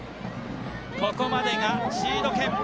ここまでがシード権。